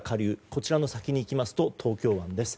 こちらの先に行きますと東京湾です。